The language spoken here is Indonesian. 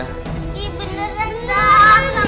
ih beneran gak sama